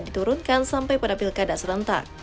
diturunkan sampai pada pilkada serentak